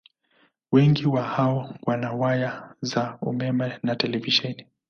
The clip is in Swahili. Wengi wa hawa wana waya za umeme na televisheni.